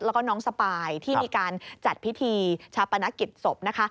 แล้วก็น้องสปายที่มีการจัดพิธีชาปนกิจศพนะคะ